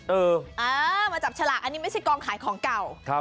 เอออ่ามาจับฉลากอันนี้ไม่ใช่กองขายของเก่า